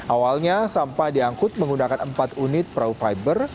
awalnya sampah diangkut menggunakan empat unit pro fiber